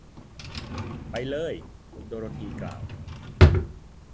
ไปเลย ! โดโรธีกล่าว